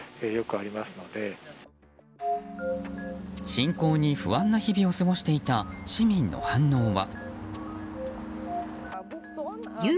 侵攻に不安な日々を過ごしていた、市民の反応は。